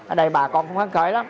ở đây bà con cũng khán khởi lắm